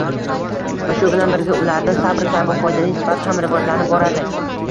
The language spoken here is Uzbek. va shu bilan birga ularda sabr kabi foydali sifat ham rivojlanib boradi.